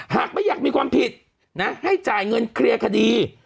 หากไม่อยากมีความผิดนะให้จ่ายเงินเคลียร์คดี